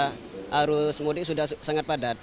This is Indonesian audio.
terus mudik sudah sangat padat